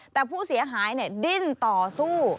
แต่ผู้เสียหายดิ้นต่อสู้